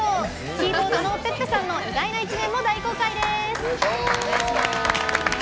キーボードのｐｅｐｐｅさんの意外な一面も大公開です。